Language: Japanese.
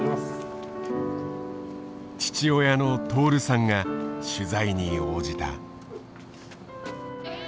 父親の徹さんが取材に応じた。